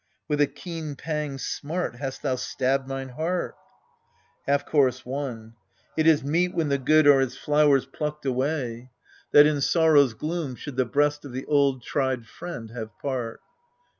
With a keen pang's smart hast thou stabbed mine heart. Half CJiorus i. It is meet, when the good are as flowers plucked away, ALCESTIS 203 That in sorrow's gloom Should the breast of the old tried friend have part.